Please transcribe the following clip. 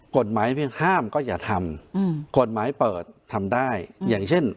กฎหมายเพียงห้ามก็อย่าทำกฎหมายเปิดทำได้อย่างเช่น